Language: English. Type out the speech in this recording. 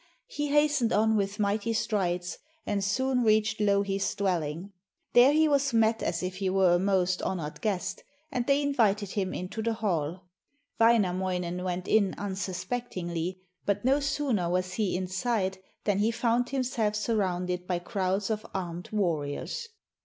He hastened on with mighty strides, and soon reached Louhi's dwelling. There he was met as if he were a most honoured guest, and they invited him into the hall. Wainamoinen went in unsuspectingly, but no sooner was he inside than he found himself surrounded by crowds of armed warriors.